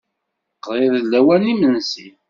Qrib d lawan n yimensi.